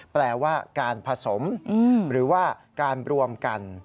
แปลว่าการผสมหรือว่าการรวมกัน